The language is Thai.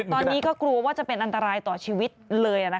ตอนนี้ก็กลัวว่าจะเป็นอันตรายต่อชีวิตเลย